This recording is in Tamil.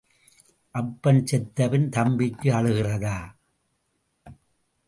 அப்பன் செத்தபின் தம்பிக்கு அழுகிறதா?